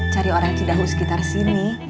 cari orang cidaho sekitar sini